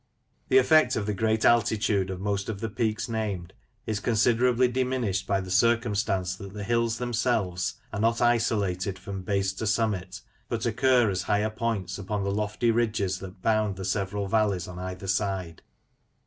The effect of the great altitude of most of the peaks named is considerably diminished by the circumstance that the hills themselves are not isolated from base to summit, but occur as higher points upon the lofty ridges that bound the several valleys on either side.